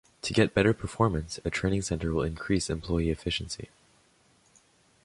To get better performance a training center will increase employee efficiency.